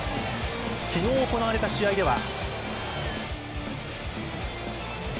昨日行われた試合では。